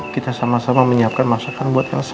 kita sama sama menyiapkan masakan buat elsa